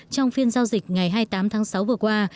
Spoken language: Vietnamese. trong phiên giao dịch ngày hai mươi tám tháng sáu vừa qua